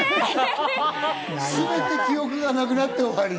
全て記憶がなくなって終わり。